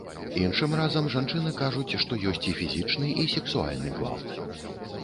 Іншым разам жанчыны кажуць, што ёсць і фізічны, і сексуальны гвалт.